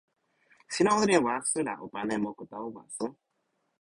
sina olin e waso la o pana e moku tawa waso.